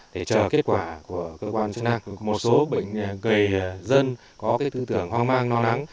để chờ kết quả của cơ quan chức năng một số bệnh gầy dân có cái tư tưởng hoang mang no nắng